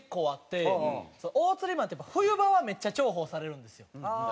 大鶴肥満って冬場はめっちゃ重宝されるんですよ。